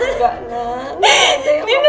nggak ada yang mau ngerebut